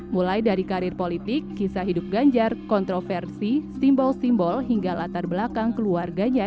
mulai dari karir politik kisah hidup ganjar kontroversi simbol simbol hingga latar belakang keluarganya